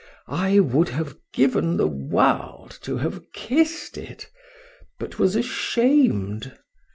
—I would have given the world to have kiss'd it,—but was ashamed.